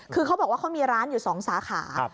คือเขาบอกว่าเขามีร้านอยู่๒สาขา